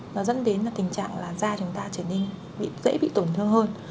nó dẫn đến tình trạng da chúng ta dễ bị tổn thương hơn